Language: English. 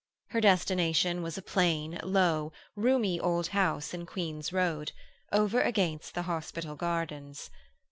Her destination was a plain, low roomy old house in Queen's Road, over against the hospital gardens.